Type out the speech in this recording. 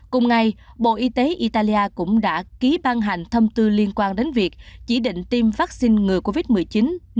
cùng ngày bộ y tế italia cũng đã ký ban hành thông tư liên quan đến việc chỉ định tiêm vaccine ngừa covid một mươi chín novavax sovix của hãng novavax cho người từ một mươi tám tuổi trở lên